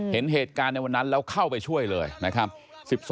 เห็นเหตุการณ์ในวันนั้นแล้วเข้าไปช่วยเลยนะครับ